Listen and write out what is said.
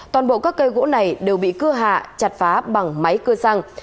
toàn bộ các cây gỗ này đều bị cưa hạ chặt phá bằng máy cưa xăng